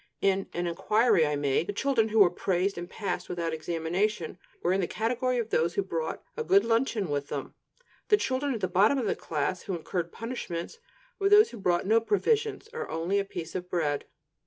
In an inquiry I made, the children who were praised and passed without examination were in the category of those who brought a good luncheon with them; the children at the bottom of the class, who incurred punishments, were those who brought no provisions, or only a piece of bread.